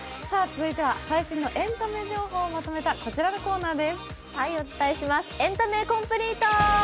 続いては最新のエンタメ情報をまとめたこちらのコーナーです。